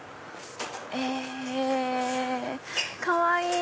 へぇかわいい！